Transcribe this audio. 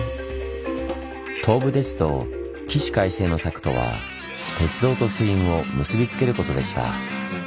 東武鉄道起死回生の策とは鉄道と水運を結び付けることでした。